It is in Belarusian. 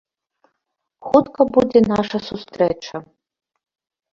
Хутка будзе наша сустрэча.